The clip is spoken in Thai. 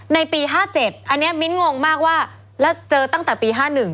ในปี๕๗อันนี้มิ้นต์งแล่วว่าเจอตั้งแต่ปี๕๑